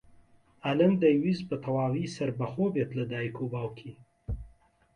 ئەلەند دەیویست بەتەواوی سەربەخۆ بێت لە دایک و باوکی.